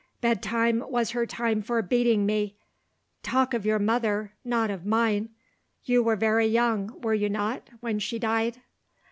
Bedtime was her time for beating me. Talk of your mother not of mine! You were very young, were you not, when she died?"